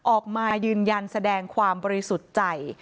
ออกมายืนยันแสดงความบริสุทธิ์ใจ